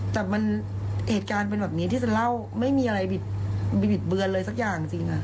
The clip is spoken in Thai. แต่มันเหตุการณ์เป็นแบบนี้ที่ฉันเล่าไม่มีอะไรบิดเบือนเลยสักอย่างจริง